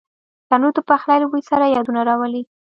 تنور د پخلي له بوی سره یادونه راولي